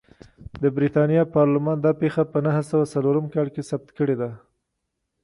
د برېټانیا پارلمان دا پېښه په نهه سوه څلورم کال کې ثبت کړې ده.